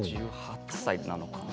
１８歳なのかな。